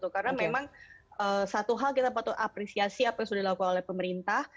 karena memang satu hal kita patut apresiasi apa yang sudah dilakukan oleh pemerintah